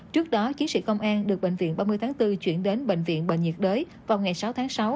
trước đó chiến sĩ công an được bệnh viện ba mươi tháng bốn chuyển đến bệnh viện bệnh nhiệt đới vào ngày sáu tháng sáu